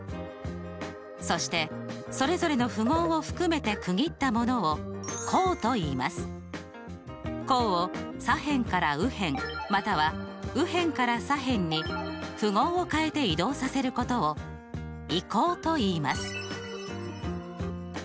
そしてそれぞれの符号を含めて区切ったものを項を左辺から右辺または右辺から左辺に符号を変えて移動させることを移項といいます。